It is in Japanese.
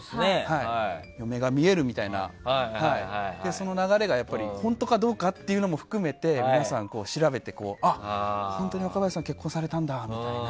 その流れが本当かどうかも含めて皆さん調べて、本当に若林さん結婚されたんだみたいな。